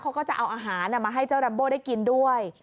เขาก็จะเอาอาหารมาให้เจ้าลัมโบ้ได้กินด้วย